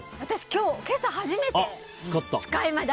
今朝初めて使いました。